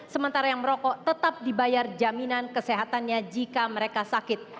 sementara yang merokok tetap dibayar jaminan kesehatannya jika mereka sakit